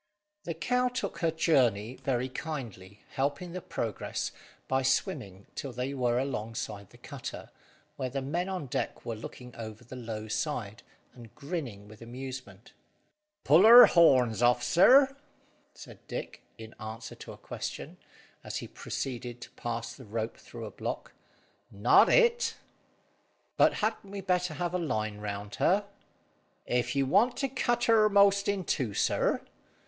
The cow took to her journey very kindly, helping the progress by swimming till they were alongside the cutter, where the men on deck were looking over the low side, and grinning with amusement. "Pull her horns off, sir!" said Dick, in answer to a question, as he proceeded to pass the rope through a block, "not it." "But hadn't we better have a line round her?" "If you want to cut her 'most in two, sir.